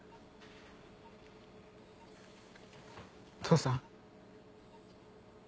父さん。